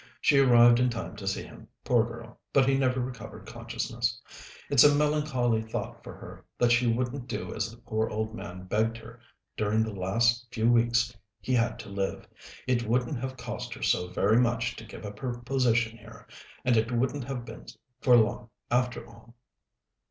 "She arrived in time to see him, poor girl, but he never recovered consciousness. It's a melancholy thought for her that she wouldn't do as the poor old man begged her during the last few weeks he had to live. It wouldn't have cost her so very much to give up her position here, and it wouldn't have been for long, after all."